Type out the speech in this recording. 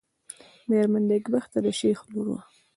مېرمن نېکبخته د شېخ لور وه.